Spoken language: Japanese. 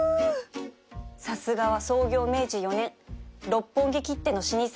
さすがは創業明治４年六本木きっての老舗